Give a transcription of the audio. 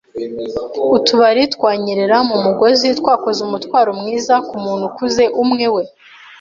utubari, twanyerera mu mugozi, twakoze umutwaro mwiza kumuntu ukuze - umwe we